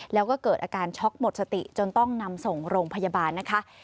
แล้วก็เกิดอาการช็อกหมดสติจนต้องนำส่งโรงพยาบาลนะคะ